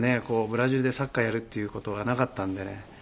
ブラジルでサッカーやるっていう事はなかったんでね。